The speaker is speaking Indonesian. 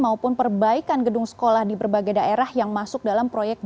maupun perbaikan gedung sekolah di berbagai daerah yang masuk dalam proyek